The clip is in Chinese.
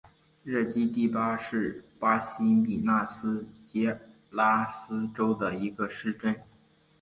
热基蒂巴是巴西米纳斯吉拉斯州的一个市镇。